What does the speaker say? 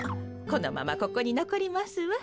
このままここにのこりますわ。